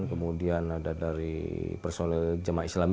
kemudian ada dari persoal jemaah islam